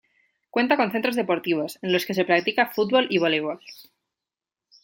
Cuenta con centros deportivos, en los que se practica: fútbol y voleibol.